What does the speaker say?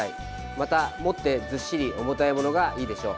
また持って、ずっしり重たいものがいいでしょう。